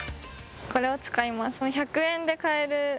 これを使います。